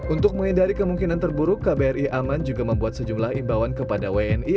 untuk menghindari kemungkinan terburuk kbri aman juga membuat sejumlah imbauan kepada wni